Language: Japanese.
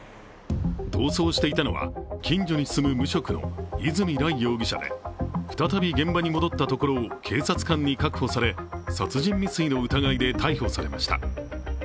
逃走していたのは近所に住む無職の泉羅行容疑者で再び現場に戻ったところを警察に確保され、殺人未遂の疑いで逮捕されました。